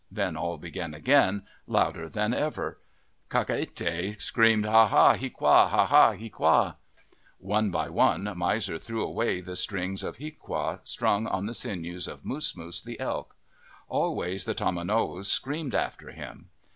Then all began again, louder than ever. Kakahete screamed, " Ha, ha, hiaqua ! Ha, ha, hiaqua !' One by one, Miser threw away the strings of hiaqua, strung on the sinews of Moosmoos, the elk. Always the tomanowos screamed after him.